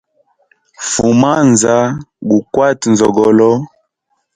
Fuma haza gukwate nzoogolo.